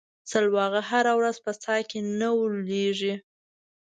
سلواغه هره ورځ په څا کې نه ولېږي.